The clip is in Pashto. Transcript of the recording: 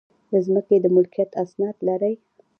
د ځمکې د ملکیت اسناد لرئ؟